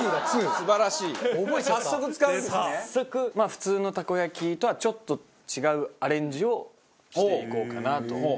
普通のたこ焼きとはちょっと違うアレンジをしていこうかなと。